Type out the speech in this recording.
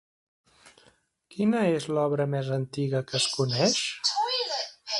Quina és l'obra més antiga que es coneix?